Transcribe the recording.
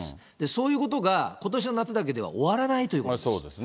そういうことがことしの夏だけでは終わらないということです。